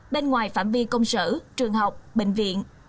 bên ngoài phạm vi công sở trường học bệnh viện